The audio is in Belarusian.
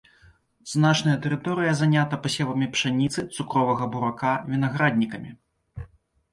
Значная тэрыторыя занята пасевамі пшаніцы, цукровага бурака, вінаграднікамі.